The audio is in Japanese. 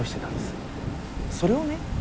それをね